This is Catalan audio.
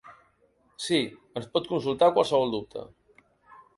Si, ens pot consultar qualsevol dubte.